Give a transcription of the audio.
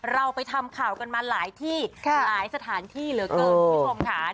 เราไปทำข่าวกันมาหลายที่หลายสถานที่เหลือเกินคุณผู้ชมค่ะ